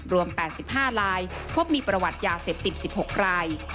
รวม๘๕ลายพบมีประวัติยาเสพติด๑๖ราย